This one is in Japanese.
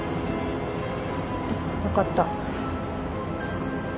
分かった。